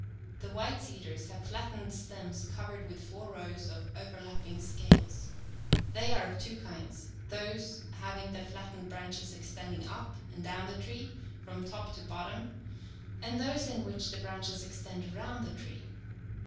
The white cedars have flattened stems covered with four rows of overlapping scales. They are of two kinds, those having the flattened branches extending up and down the tree, from top to bottom, and those in which the i^^^ branches extend around the tree.